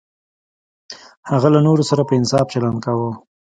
هغه له نورو سره په انصاف چلند کاوه.